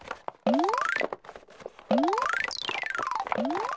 うん？